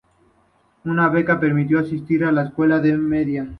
Una beca le permitió asistir a la escuela media.